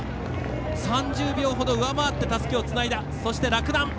３０秒ほど上回ってたすきをつないだ。